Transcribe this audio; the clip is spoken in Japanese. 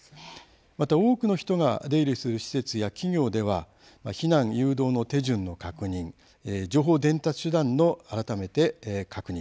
また、多くの人が出入りする施設や企業では避難誘導の手順の確認情報伝達手段の改めて確認